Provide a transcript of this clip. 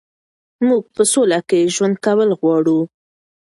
موږ په سوله کې ژوند کول غواړو.